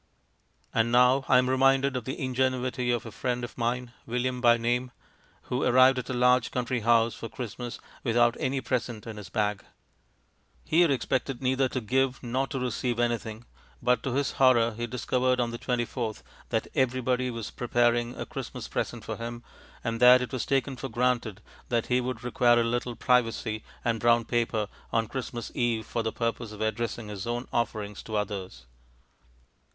And now I am reminded of the ingenuity of a friend of mine, William by name, who arrived at a large country house for Christmas without any present in his bag. He had expected neither to give nor to receive anything, but to his horror he discovered on the 24th that everybody was preparing a Christmas present for him, and that it was taken for granted that he would require a little privacy and brown paper on Christmas Eve for the purpose of addressing his own offerings to others.